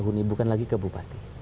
huni bukan lagi ke bupati